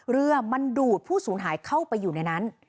เรือมันดูดผู้สูญหายเข้าไปอยู่ในนั้น